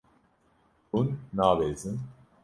Hûn nabezin.